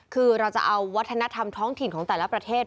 คือเราจะเอาวัฒนธรรมท้องถิ่นของแต่ละประเทศ